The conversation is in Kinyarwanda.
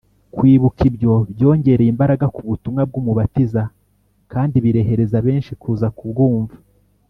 . Kwibuka ibyo, byongereye imbaraga ku butumwa bw’Umubatiza kandi birehereza benshi kuza kubwumva